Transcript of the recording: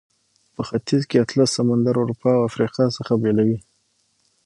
په ختیځ کې اطلس سمندر اروپا او افریقا څخه بیلوي.